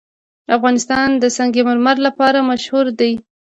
افغانستان د سنگ مرمر لپاره مشهور دی.